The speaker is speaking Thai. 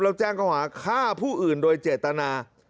แล้วแจ้งเขาหาฆ่าผู้อื่นโดยเจตนา